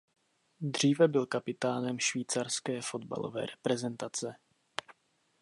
Dříve byl kapitánem švýcarské fotbalové reprezentace.